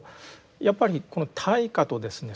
やっぱりこの対価とですね